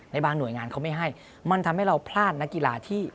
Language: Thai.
บางหน่วยงานเขาไม่ให้มันทำให้เราพลาดนักกีฬาที่